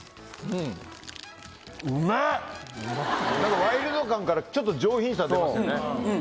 ワイルド感からちょっと上品さ出ますよね。